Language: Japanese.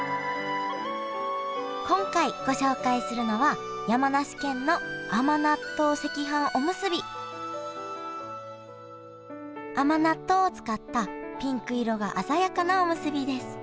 今回ご紹介するのは甘納豆を使ったピンク色が鮮やかなおむすびです。